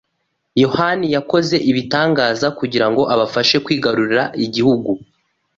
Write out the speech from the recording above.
Yehova yakoze ibitangaza kugira ngo abafashe kwigarurira igihugu